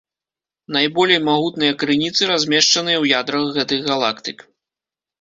Найболей магутныя крыніцы размешчаныя ў ядрах гэтых галактык.